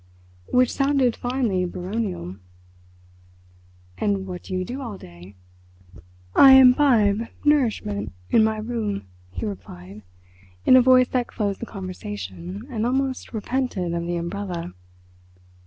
Which sounded finely Baronial. "And what do you do all day?" "I imbibe nourishment in my room," he replied, in a voice that closed the conversation and almost repented of the umbrella.